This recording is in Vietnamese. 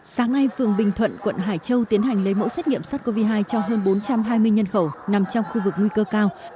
sáng nay phường bình thuận quận hải châu tiến hành lấy mẫu xét nghiệm sars cov hai cho hơn bốn trăm hai mươi nhân khẩu nằm trong khu vực nguy cơ cao